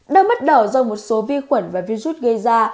đau mắt đỏ do một số vi khuẩn và virus gây ra